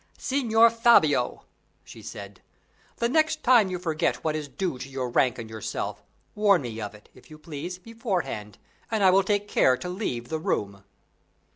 "Signor Fabio," she said, "the next time you forget what is due to your rank and yourself, warn me of it, if you please, beforehand, and I will take care to leave the room."